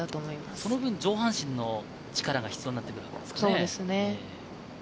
その分、上半身の力が必要になってくるということですね。